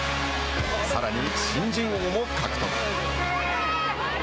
さらに新人王も獲得。